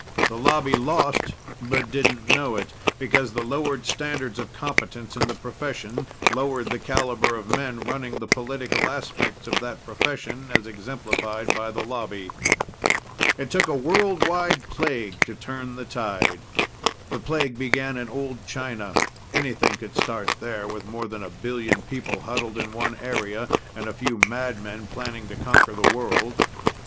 The Lobby lost, but didn't know it because the lowered standards of competence in the profession lowered the caliber of men running the political aspects of that profession as exemplified by the Lobby. It took a world wide plague to turn the tide. The plague began in old China; anything could start there, with more than a billion people huddled in one area and a few madmen planning to conquer the world.